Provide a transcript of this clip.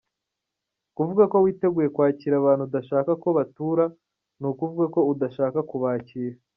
Kuvuga ko witeguye kwakira abantu udashaka ko batura, ni ukuvuga ko udashaka kubakira.